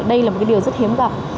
đây là một điều rất hiếm gặp